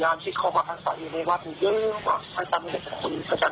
แล้วก็ความคิดนี้ไปทำอย่างงั้นเฮ้ย